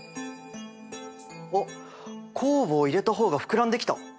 おっ酵母を入れた方が膨らんできた！